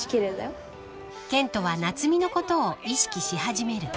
［健人は夏海のことを意識し始める］